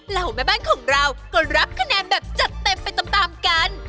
เหล่าแม่บ้านของเราก็รับคะแนนแบบจัดเต็มไปตามกัน